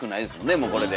もうこれで。